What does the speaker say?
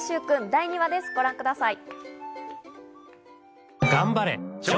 第２話です、ご覧ください。